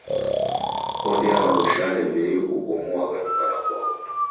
Odea w'andu shale w'ei ubomuagha nyumba rapwaw'o.